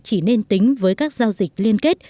chỉ nên tính với các giao dịch liên kết